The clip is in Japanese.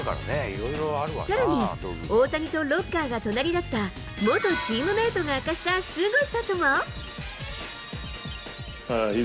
さらに、大谷とロッカーが隣だった元チームメートが明かしたすごさとは。